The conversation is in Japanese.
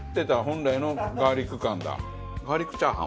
ガーリックチャーハン